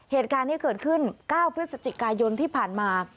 เหตุการณ์ที่เกิดขึ้น๙พฤศจิกายนที่ผ่านมา